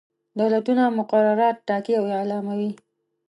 دولتونه مقررات ټاکي او اعلاموي.